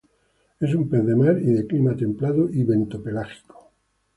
Es un pez de mar y, de clima templado y bentopelágico.